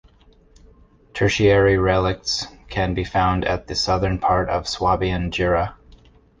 Tertiary relicts can be found at the southern part of Swabian Jura.